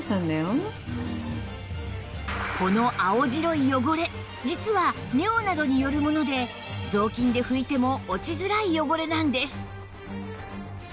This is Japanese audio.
この青白い汚れ実は尿などによるもので雑巾で拭いても落ちづらい汚れなんです